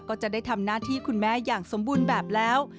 ก็จะได้ทำหน้าที่คุณแม่อย่างสมบูรณ์แบบแล้ว